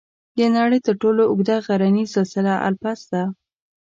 د نړۍ تر ټولو اوږده غرني سلسله الپس ده.